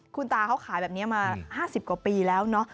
คุณตาเขาขายแบบนี้มา๕๐กว่าปีแล้วเนอะ